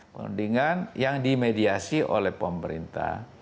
perundingan yang dimediasi oleh pemerintah